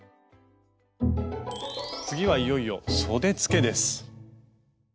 次はいよいよそでつけです。